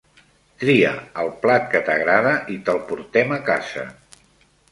Tria el plat que t'agrada i te'l portem a casa.